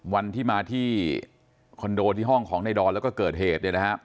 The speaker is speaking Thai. วันที่มาที่คอนโดที่ห้องของในดอนแล้วก็เกิดเหตุ